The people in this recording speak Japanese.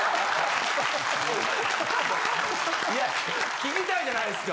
いや聞きたいじゃないですか。